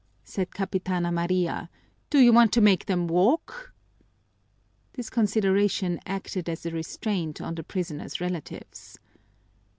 said Capitana Maria. "Do you want to make them walk?" This consideration acted as a restraint on the prisoners' relatives.